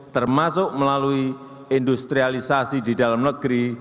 termasuk melalui industrialisasi di dalam negeri